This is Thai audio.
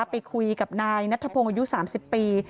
ไปคุยกับนายนัทธพงศ์อายุ๓๐ปี